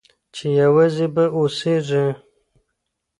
چي یوازي به اوسېږې